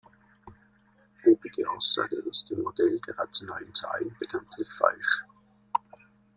Obige Aussage ist im Modell der rationalen Zahlen bekanntlich falsch.